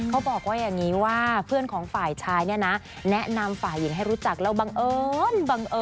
เขาบอกว่าอย่างนี้ว่าเพื่อนของฝ่ายชายเนี่ยนะแนะนำฝ่ายหญิงให้รู้จักแล้วบังเอิญบังเอิญ